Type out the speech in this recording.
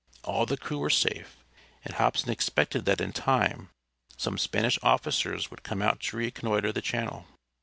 All the crew were safe, and Hobson expected that in time some Spanish officers would come out to reconnoiter the channel.